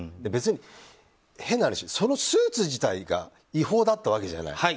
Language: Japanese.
別に変な話、そのスーツ自体が違法だったわけじゃない。